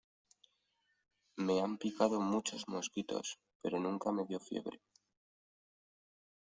me han picado muchos mosquitos, pero nunca me dio fiebre.